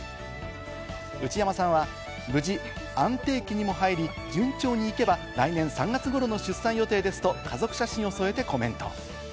内山さんは無事安定期にも入り、順調にいけば来年３月ごろの出産予定ですと、家族写真を添えてコメント。